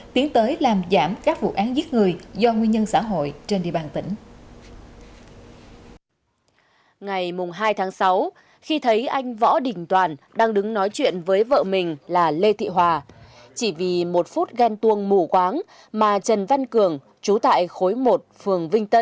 tiến tới làm giảm các vụ án giết người do nguyên nhân xã hội trên địa bàn tỉnh